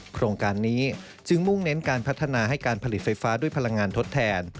โครงการนี้จึงมุ่งเน้นการพัฒนาให้การผลิตไฟฟ้าด้วยพลังงานทดแทน